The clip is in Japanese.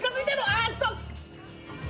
あーっと！